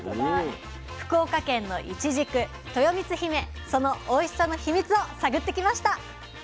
福岡県のいちじくとよみつひめそのおいしさのヒミツを探ってきました。